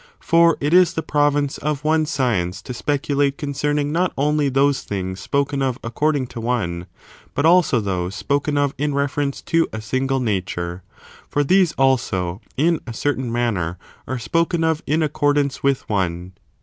For it is the province of one science to speculate concerning not only those things spoken of according to one, but also those spoken of in reference to a single nature. For these, also, in a certain manner, are spoken of in accordance with one.